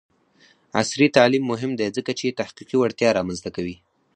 عصري تعلیم مهم دی ځکه چې تحقیقي وړتیا رامنځته کوي.